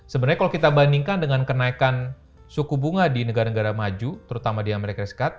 sebenarnya kalau kita bandingkan dengan kenaikan suku bunga di negara negara maju terutama di amerika serikat